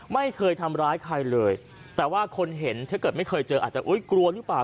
ไม่เคยทำร้ายใครเลยแต่ว่าคนเห็นถ้าเกิดไม่เคยเจออาจจะอุ๊ยกลัวหรือเปล่า